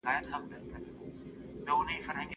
زده کړه د ګډون لپاره د یوه مرکز په توګه عمل کوي.